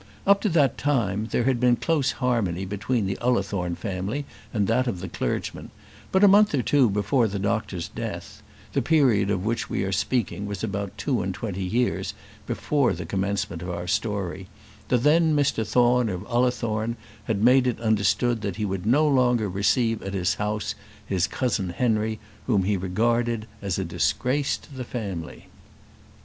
Up to that time there had been close harmony between the Ullathorne family and that of the clergyman; but a month or two before the doctor's death the period of which we are speaking was about two and twenty years before the commencement of our story the then Mr Thorne of Ullathorne had made it understood that he would no longer receive at his house his cousin Henry, whom he regarded as a disgrace to the family.